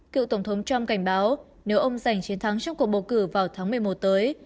cựu tổng thống trump cảnh báo nếu ông giành chiến thắng trong cuộc bầu cử vào tháng một mươi một tới